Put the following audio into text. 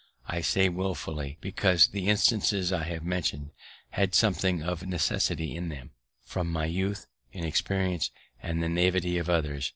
I say willful, because the instances I have mentioned had something of necessity in them, from my youth, inexperience, and the knavery of others.